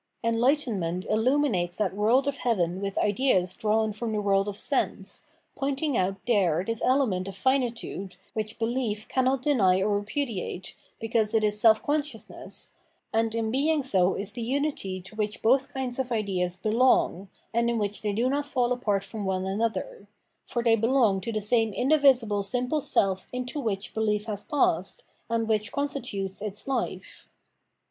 Enhghtenment ihuminates that world of heaven with ideas drawn from the world of sense, poiuting out there this element of finitude which behef cannot deny or repudiate, because it is self consciousness, and in being so is the unity to which both kinds of ideas 580 PkeTwmenology of Mind belong, and in which they do not fall apart from one another ; for they belong to the same indivisible smple self into which belief has passed, and which constitutes its life.